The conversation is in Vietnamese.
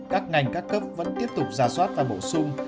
các ngành các cấp vẫn tiếp tục ra soát và bổ sung